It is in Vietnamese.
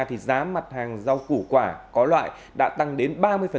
thì giá mặt hàng rau củ quả có loại đã tăng đến ba mươi